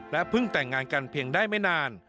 เพิ่งแต่งงานกันเพียงได้ไม่นาน